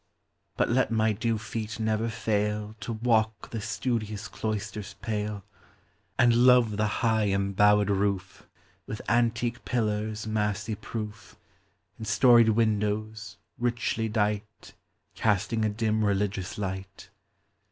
But let my due feet never fail To walk the studious cloister's pale, And love the high embowed roof, With antique pillars massy proof, And storied windows, richly dight, Casting a dim religious light.